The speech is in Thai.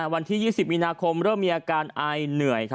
วันที่๒๐มีนาคมเริ่มมีอาการอายเหนื่อย